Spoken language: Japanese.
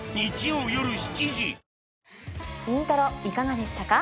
『イントロ』いかがでしたか？